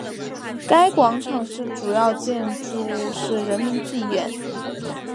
该广场的主要建筑是人民剧院。